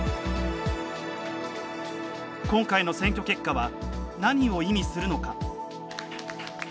今回の選挙結果は何を意味するのか？